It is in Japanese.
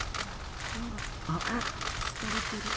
あっ、好かれてる。